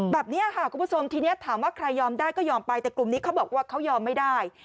แบบนี้ค่ะคุณผู้ชมทีนี้ถามว่าใครยอมได้ก็ยอมไปแต่กลุ่มนี้เขาบอกว่าเขายอมไม่ได้